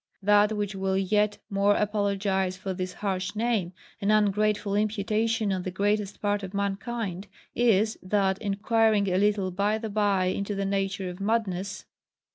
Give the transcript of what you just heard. That which will yet more apologize for this harsh name, and ungrateful imputation on the greatest part of mankind, is, that, inquiring a little by the bye into the nature of madness, (b.